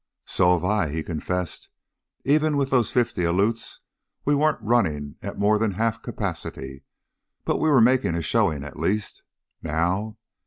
"So have I," he confessed. "Even with those fifty Aleuts, we weren't running at more than half capacity, but we were making a showing at least. Now!"